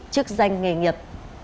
trước danh nghề nghiệp